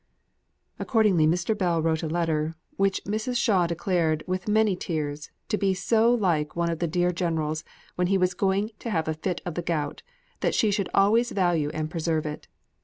Accordingly Mr. Bell wrote a letter, which Mrs. Shaw declared, with many tears, to be so like one of the dear general's when he was going to have a fit of the gout, that she should always value and preserve it.